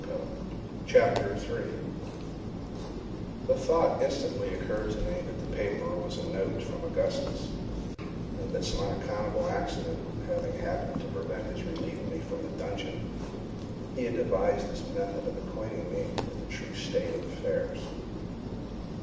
CHAPTER 3 The thought instantly occurred to me that the paper was a note from Augustus, and that some unaccountable accident having happened to prevent his relieving me from my dungeon, he had devised this method of acquainting me with the true state of affairs.